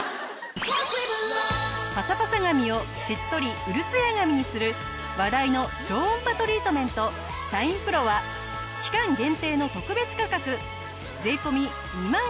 パサパサ髪をしっとりウルツヤ髪にする話題の超音波トリートメントシャインプロは期間限定の特別価格税込２万４５００円。